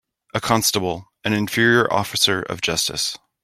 A constable an inferior officer of justice.